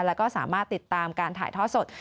แล้วก็สามารถติดตามการถ่ายทอดสด